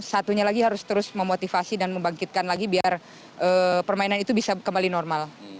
satunya lagi harus terus memotivasi dan membangkitkan lagi biar permainan itu bisa kembali normal